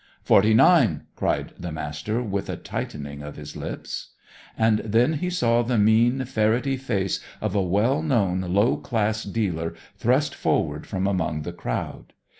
"Forty nine!" cried the Master, with a tightening of his lips. And then he saw the mean, ferrety face of a well known low class dealer thrust forward from among the crowd.